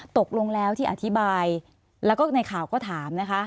ตกลงแล้วที่อธิบายแล้วก็ในข่าวก็ถามนะคะ